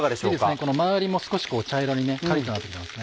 この周りも少し茶色にカリっとなってきてますね。